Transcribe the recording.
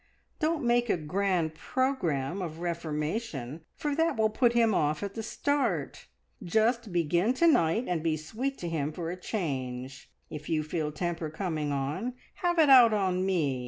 Don't make a grand programme of reformation, for that will put him off at the start. Just begin to night and be sweet to him for a change. If you feel temper coming on, have it out on me!